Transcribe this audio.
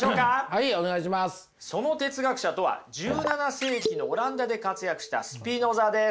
その哲学者とは１７世紀のオランダで活躍したスピノザです。